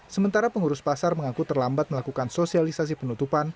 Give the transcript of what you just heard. sementara pengurus pasar mengaku terlambat melakukan sosialisasi penutupan